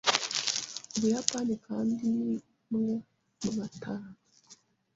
Ubuyapani kandi ni umwe mu batanu